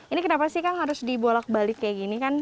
ini kenapa sih kang harus dibolak balik seperti ini